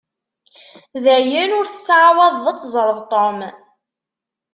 Dayen, ur tettεawadeḍ ad teẓreḍ Tom.